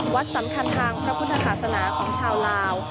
สำคัญทางพระพุทธศาสนาของชาวลาว